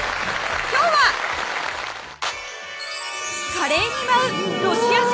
今日は華麗に舞うロシア人